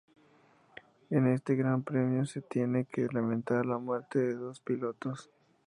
En este Gran Premio se tiene que lamentar la muerte de dos pilotos.